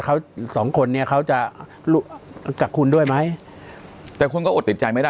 เขาอีกสองคนเนี่ยเขาจะกับคุณด้วยไหมแต่คนก็อดติดใจไม่ได้